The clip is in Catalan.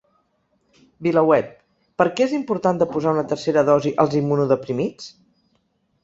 VilaWeb: Per què és important de posar una tercera dosi als immunodeprimits?